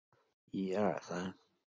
祖父杨子安。